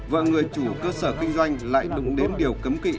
và người chủ cơ sở kinh doanh lại đụng đến điều cấm kỵ